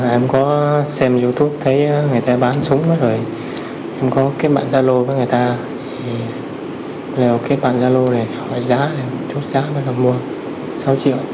em có xem youtube thấy người ta bán súng rồi em có kết bạn gia lô với người ta kết bạn gia lô này hỏi giá này thuốc giá mới là mua sáu triệu